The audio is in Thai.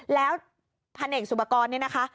แล้วพันเอกสุปกรณ์เนี่ยนะคะ